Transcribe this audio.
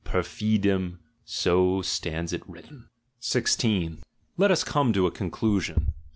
Per fidem: so stands it written. 16. Let us come to a conclusion.